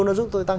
nó giúp tôi tăng